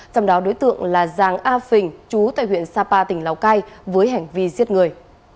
trong đó đối tượng là giàng a phình chú tại huyện sapa tỉnh lào cai với hành vi giết người